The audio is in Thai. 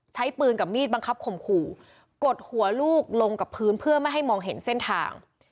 ใช้ปืนกับมีดบังคับข่มขู่กดหัวลูกลงกับพื้นเพื่อไม่ให้มองเห็นเส้นทาง